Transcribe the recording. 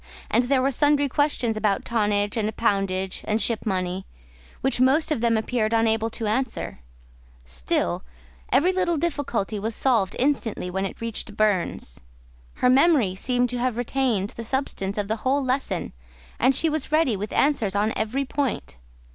and there were sundry questions about tonnage and poundage and ship money, which most of them appeared unable to answer; still, every little difficulty was solved instantly when it reached Burns: her memory seemed to have retained the substance of the whole lesson, and she was ready with answers on every point.